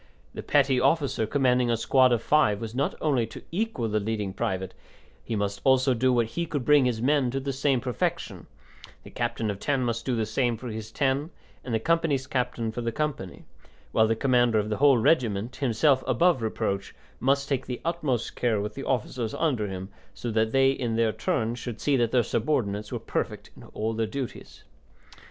The petty officer commanding a squad of five was not only to equal the leading private, he must also do what he could to bring his men to the same perfection; the captain of ten must do the same for his ten, and the company's captain for the company, while the commander of the whole regiment, himself above reproach, must take the utmost care with the officers under him so that they in their turn should see that their subordinates were perfect in all their duties.